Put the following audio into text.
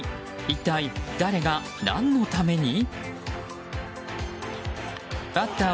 一体、誰が何のために？